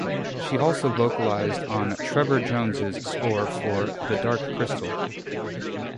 She also vocalized on Trevor Jones's score for "The Dark Crystal".